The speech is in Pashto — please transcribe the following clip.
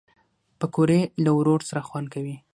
پکورې له ورور سره خوند کوي